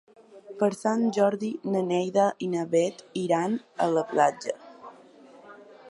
Per Sant Jordi na Neida i na Bet iran a la platja.